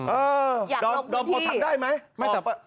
เอออยากนอกพื้นที่ออกไปนอกพื้นที่ได้ไหม